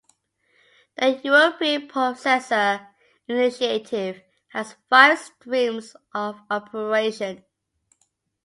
The European Processor Initiative has five streams of operation.